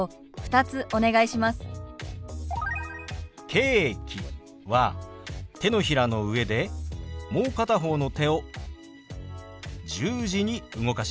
「ケーキ」は手のひらの上でもう片方の手を十字に動かします。